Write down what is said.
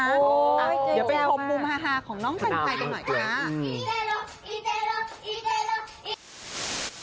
อย่าไปพบมุมฮาของน้องแต่งไทยก็ไม่ตาย